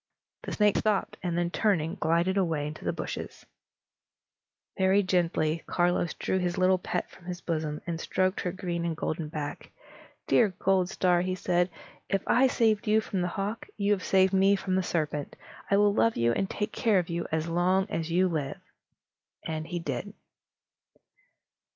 The snake stopped, and then turning, glided away into the bushes. Very gently, Carlos drew his little pet from his bosom, and stroked her green and golden back. "Dear Goldstar," he said, "if I saved you from the hawk, you have saved me from the serpent. I will love you and take care of you as long as you live." And so he did.